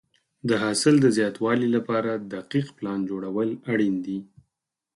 د حاصل د زیاتوالي لپاره دقیق پلان جوړول اړین دي.